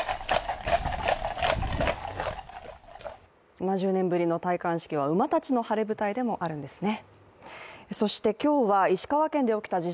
７０年ぶりの戴冠式は馬たちの晴れ舞台でもあるんですね。